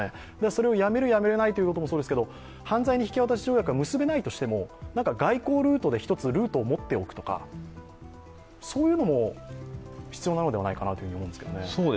それをやめる、やめないということもそうですけど犯罪人引渡し条約が結べないとしても、外交ルートで１つルートを持っておくとか、そういうのも必要なのではないかと思いますけどね。